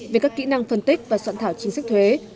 về các kỹ năng phân tích và soạn thảo chính sách thuế